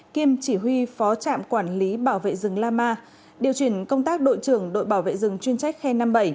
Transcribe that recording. kiêm chỉ huy phó trạm quản lý bảo vệ rừng la ma điều chuyển công tác đội trưởng đội bảo vệ rừng chuyên trách khe năm mươi bảy